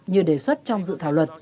như đề xuất trong dự thảo luật